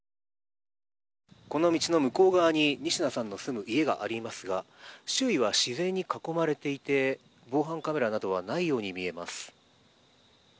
この道の向こう側に仁科さんが住む家にありますが周囲は自然に囲まれていて防犯カメラなどはないように見えます。